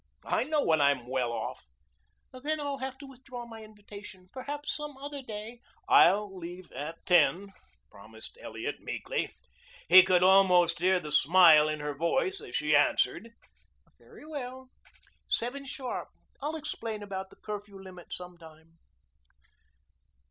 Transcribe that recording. I know when I'm well off." "Then I'll have to withdraw my invitation. Perhaps some other day " "I'll leave at ten," promised Elliot meekly. He could almost hear the smile in her voice as she answered. "Very well. Seven sharp. I'll explain about the curfew limit sometime."